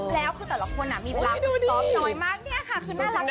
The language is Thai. แล้วคือแต่ละคนมีปรับสอบน้อยมากเนี่ยค่ะคือน่ารักกว่านี้